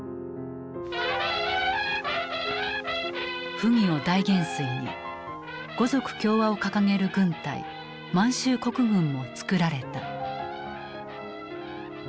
溥儀を大元帥に五族協和を掲げる軍隊満州国軍もつくられた。